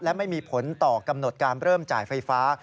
และไม่มีผลต่อกำหนดการเริ่มจ่ายไฟฟ้า